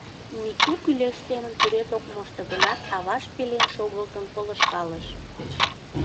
Мичу кӱлеш семын тӱред ок мошто гынат, аваж пелен шогылтын полышкалыш.